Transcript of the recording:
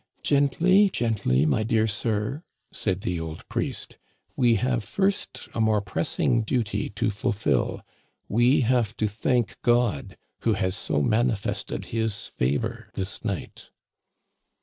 " Gently, gently, my dear sir," said the old priest " We have first a more pressing duty to fulfilL We have to thank God, who has so manifested his favor this night."